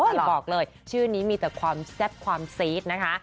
บอกเลยชื่อนี้มีแต่ความแซ่บความซีดนะคะ